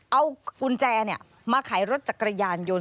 เอากุญแจมาขายรถจักรยานยนต์